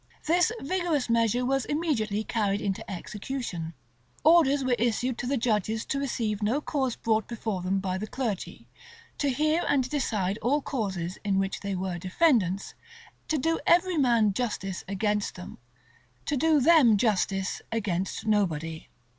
This vigorous measure was immediately carried into execution.[] Orders were issued to the judges to receive no cause brought before them by the clergy; to hear and decide all causes in which they were defendants; to do every man justice against them; to do them justice against nobody.